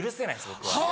僕は。